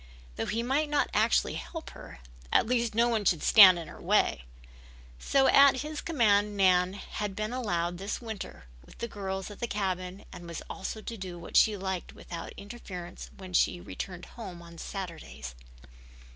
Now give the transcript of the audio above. Though he might not actually help her, at least no one should stand in her way. So at his command Nan had been allowed this winter with the girls at the cabin and was also to do what she liked without interference when she returned home on Saturdays.